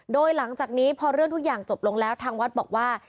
โดยหลังจากนี้พอเรื่องทุกอย่างจบลงแล้วทางวัดบอกว่า